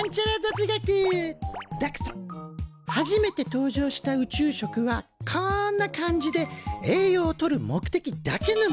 初めて登場した宇宙食はこんな感じで栄養を取る目的だけのものだったんだ。